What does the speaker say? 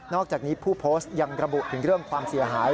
อกจากนี้ผู้โพสต์ยังระบุถึงเรื่องความเสียหาย